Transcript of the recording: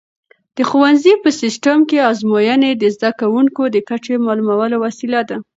د ښوونځي په سیسټم کې ازموینې د زده کوونکو د کچې معلومولو وسیله ده.